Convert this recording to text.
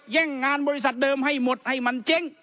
แย่งงานบริษัทเดิมให้หมดให้มันเจ๊ง